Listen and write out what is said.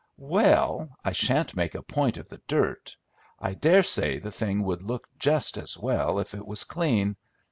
"Well, I shan't make a point of the dirt. I dare say the thing would look just as well if it was clean.